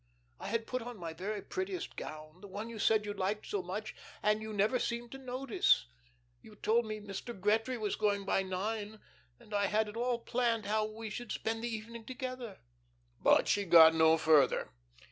I had put on my very prettiest gown, the one you said you liked so much, and you never seemed to notice. You told me Mr. Gretry was going by nine, and I had it all planned how we would spend the evening together." But she got no further.